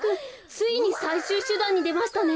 ついにさいしゅうしゅだんにでましたね。